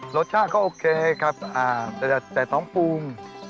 รสชาติก็โอเคครับแต่น้องปรุง